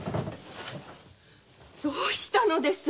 どうしたのです？